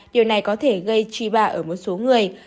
điều này có thể gây chì bạt ở một số người